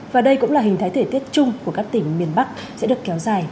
và đây cũng là hình thái thời tiết chung của các tỉnh miền bắc sẽ được kéo dài